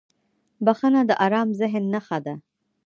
• بخښنه د آرام ذهن نښه ده.